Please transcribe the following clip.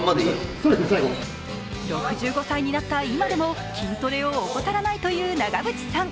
６５歳になった今でも筋トレを欠かさないという長渕さん。